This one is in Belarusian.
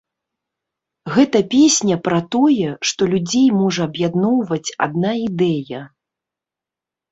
Гэта песня пра тое, што людзей можа аб'ядноўваць адна ідэя.